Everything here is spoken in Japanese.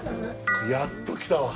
やっと来たわ。